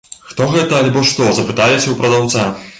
Хто гэта альбо што, запыталіся ў прадаўца.